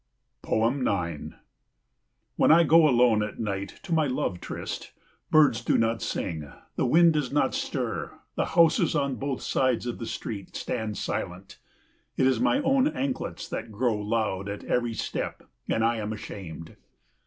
9 When I go alone at night to my love tryst, birds do not sing, the wind does not stir, the houses on both sides of the street stand silent. It is my own anklets that grow loud at every step and I am ashamed.